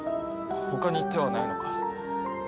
他に手はないのか？